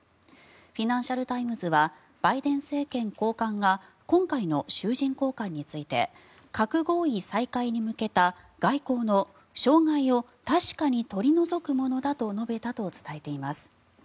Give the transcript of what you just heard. フィナンシャル・タイムズはバイデン政権高官が今回の囚人交換について核合意再開に向けた外交の障害を確かに取り除くものだと述べたと伝えています。